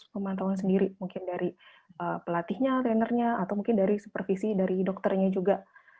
pemantauan sendiri mungkin dari pelatihnya trainernya atau mungkin dari supervisi dari dokternya juga